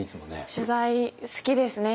取材好きですね。